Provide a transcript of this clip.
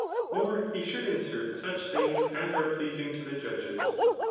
Or he should insert sucb things as are pleasing to the judges.